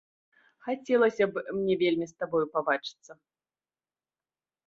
Хацелася б мне вельмі з табою пабачыцца.